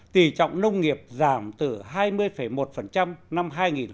tỷ trọng nông nghiệp giảm từ hai mươi một năm hai nghìn một mươi